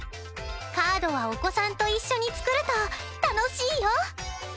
カードはお子さんと一緒に作ると楽しいよ！